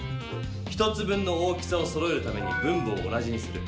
１つ分の大きさをそろえるために分母を同じにする。